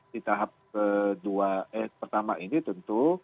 di tahap kedua eh pertama ini tentu